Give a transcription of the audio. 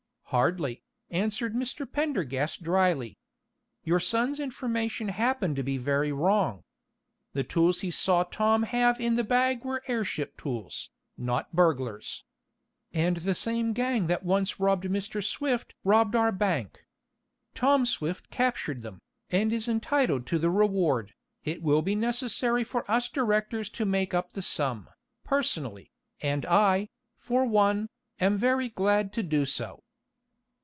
"Hardly," answered Mr. Pendergast dryly. "Your son's information happened to be very wrong. The tools he saw Tom have in the bag were airship tools, not burglar's. And the same gang that once robbed Mr. Swift robbed our bank. Tom Swift captured them, and is entitled to the reward. It will be necessary for us directors to make up the sum, personally, and I, for one, am very glad to do so."